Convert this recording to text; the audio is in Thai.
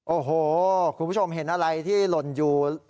โอ้โหคุณผู้ชมเห็นอะไรที่หล่นอยู่